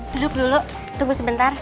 duduk dulu tunggu sebentar